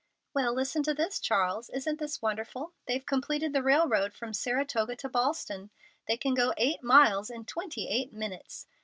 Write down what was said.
"Well, listen to this, Charles. Isn't this wonderful? They've completed the railroad from Saratoga to Ballston. They can go eight miles in twenty eight minutes!